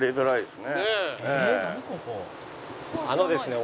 あのですね